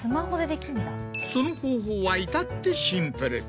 その方法は至ってシンプル。